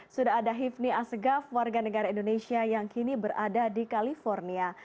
sudah ada hivni asgaf warga negara indonesia yang kini berada di california